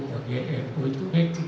bagian eko itu eko itu